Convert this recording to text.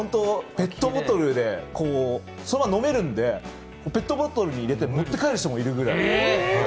ペットボトルでそのまま飲めるのでペットボトルに入れて持って帰る人もいるぐらい。